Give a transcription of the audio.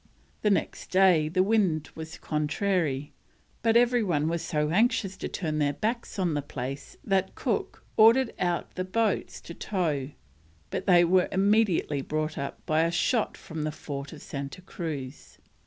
The next day the wind was contrary, but every one was so anxious to turn their backs on the place that Cook ordered out the boats to tow, but they were immediately brought up by a shot from the fort of Santa Cruz.